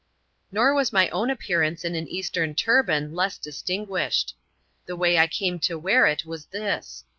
Nor was my own appearance in an Eastern turban less dis tinguished. The way I came to wear it was this.